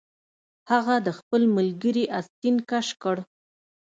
هغه د خپل ملګري آستین کش کړ